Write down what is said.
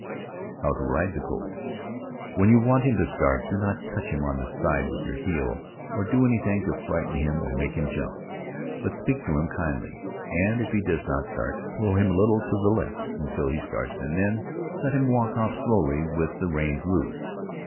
HOW TO RIDE THE COLT. When you want him to start do not touch him on the side with your heel or do anything to frighten him and make him jump. But speak to him kindly, and if he does not start pull him a little to the left until he starts, and then let him walk off slowly with the reins loose.